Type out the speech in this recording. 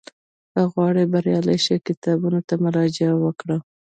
که غواړې بریالی شې، کتابونو ته مراجعه وکړه.